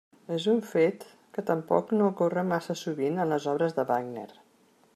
És un fet que tampoc no ocorre massa sovint en les obres de Wagner.